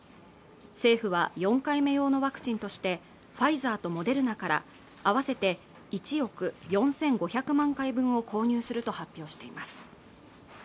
政府は４回目のワクチンとしてファイザーとモデルナから合わせて１億４５００万回分を購入すると発表しています